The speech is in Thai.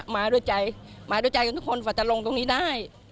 มาด้วยใจหมายโดยใจของทุกคนฝันจะลงตรงนี้ได้